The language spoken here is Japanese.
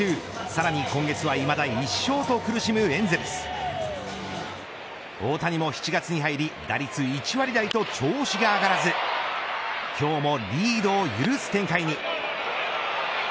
さらに今月はいまだ１勝と苦しむエンゼルス大谷も７月に入り打率１割台と調子が上がらず今日もリードを許す展開に。